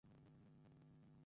আমি প্রতারক না।